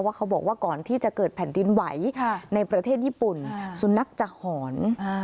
เขาบอกว่าก่อนที่จะเกิดแผ่นดินไหวในประเทศญี่ปุ่นสุนัขจะหอน